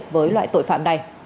với loại tội phạm này